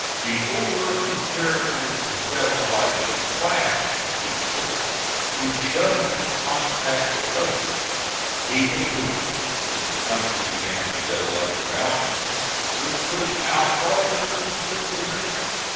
Before, new territories were settled by a "class"; people who shunned contact with others; people who, when the country began to settle up around them, would push out farther from civilization.